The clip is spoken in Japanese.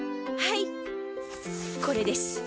はいこれです。